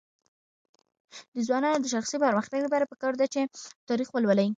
د ځوانانو د شخصي پرمختګ لپاره پکار ده چې تاریخ ولولي.